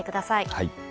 はい。